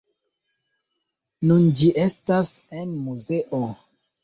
Nun ĝi estas en muzeo.